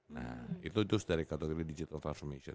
nah itu just dari kategori digital transformation